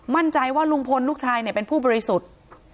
มั่นใจว่าลุงพลลูกชายเป็นผู้บริสุทธิ์